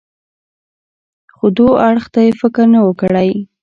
خو دو اړخ ته يې فکر نه و کړى.